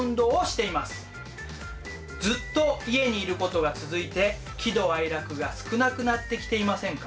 ずっと家にいることが続いて喜怒哀楽が少なくなってきていませんか？